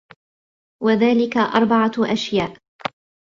وَذَلِكَ أَرْبَعَةُ أَشْيَاءَ